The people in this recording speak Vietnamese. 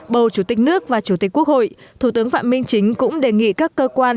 bầu chủ tịch nước và chủ tịch quốc hội thủ tướng phạm minh chính cũng đề nghị các cơ quan